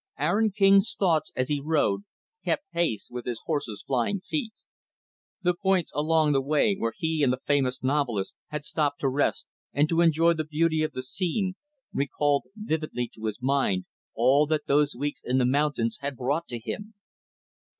Aaron King's thoughts, as he rode, kept pace with his horse's flying feet. The points along the way, where he and the famous novelist had stopped to rest, and to enjoy the beauty of the scene, recalled vividly to his mind all that those weeks in the mountains had brought to him.